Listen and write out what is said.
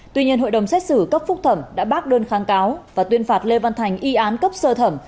tuy nhiên hội đồng xét xử cấp phúc thẩm đã bác đơn kháng cáo và tuyên phạt lê văn thành y án cấp sơ thẩm